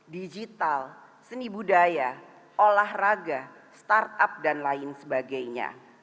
digital seni budaya olahraga startup dan lain sebagainya